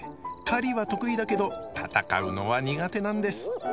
狩りは得意だけど戦うのは苦手なんです。